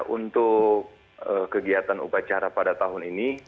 untuk kegiatan upacara pada tahun ini